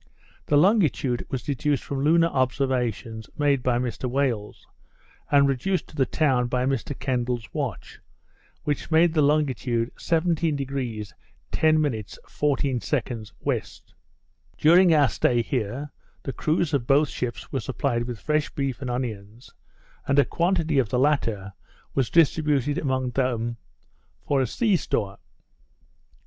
The longitude was deduced from lunar observations made by Mr Wales, and reduced to the town by Mr Kendal's watch, which made the longitude 17° 10' 14" W. During our stay here, the crews of both ships were supplied with fresh beef and onions; and a quantity of the latter was distributed amongst them for a sea store.